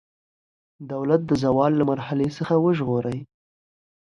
دولت د زوال له مرحلې څخه وژغورئ.